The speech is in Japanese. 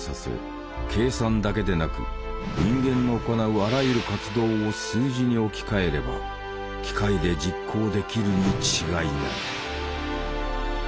計算だけでなく人間の行うあらゆる活動を数字に置き換えれば機械で実行できるに違いない。